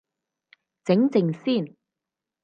靜靜先